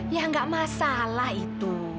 ya nggak masalah itu